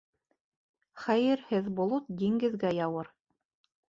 Хәйерһеҙ болот диңгеҙгә яуыр.